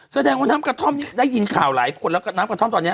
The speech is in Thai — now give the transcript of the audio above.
แสดงว่าน้ำกระท่อมนี้ได้ยินข่าวหลายคนแล้วก็น้ำกระท่อมตอนนี้